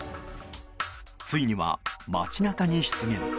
ついには、街なかに出現。